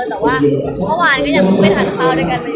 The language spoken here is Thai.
แต่ว่าเมื่อวานก็ยังไม่ทันข้าวด้วยกันเลยค่ะ